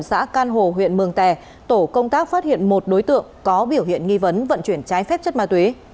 xã can hồ huyện mường tè tổ công tác phát hiện một đối tượng có biểu hiện nghi vấn vận chuyển trái phép chất ma túy